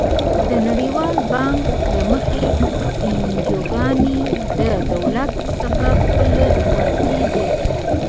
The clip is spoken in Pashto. د نړیوال بانک له مخې انجوګانې له دولت څخه خپلواکې دي.